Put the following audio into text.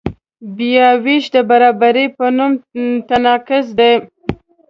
بیاوېش د برابرۍ په نوم تناقض دی.